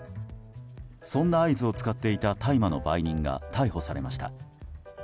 そんな合図を使っていた大麻の売人が逮捕されました。